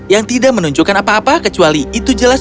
yang tidak menunjukkan apa apa kecuali itu jelas